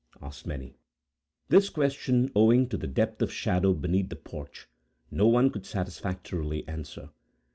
asked many. This question, owing to the depth of shadow beneath the porch, no one could satisfactorily answer.